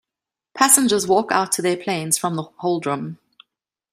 Passengers walk out to their planes from the holdroom.